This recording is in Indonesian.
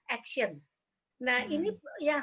action nah ini yang